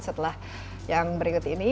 setelah yang berikut ini